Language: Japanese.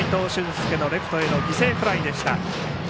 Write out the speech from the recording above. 介のレフトへの犠牲フライでした。